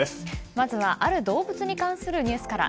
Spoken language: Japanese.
まずはある動物に関するニュースから。